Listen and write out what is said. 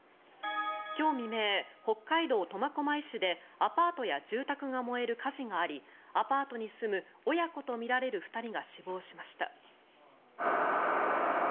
今日未明、北海道苫小牧市でアパートや住宅が燃える火事がありアパートに住む親子とみられる２人が死亡しました。